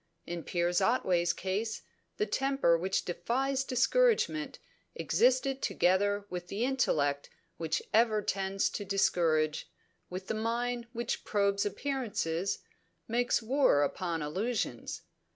In Piers Otway's case, the temper which defies discouragement existed together with the intellect which ever tends to discourage, with the mind which probes appearances, makes war upon illusions.